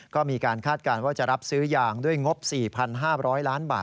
ก็มีการคาดการณ์ว่าจะรับซื้อยางด้วยงบ๔๕๐๐ล้านบาท